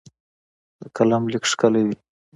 د قلم لیک ښکلی وي.